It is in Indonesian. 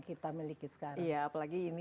kita miliki sekarang ya apalagi ini